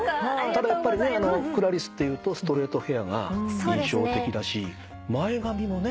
ただやっぱりＣｌａｒｉＳっていうとストレートヘアが印象的だし前髪もね